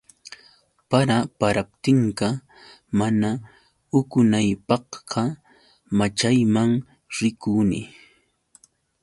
Para paraptinqa, mana uqunaypaqqa, maćhayman rikuni.